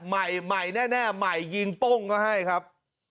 ใหม่ใหม่แน่ใหม่ยิงโป้งก็ให้ครับ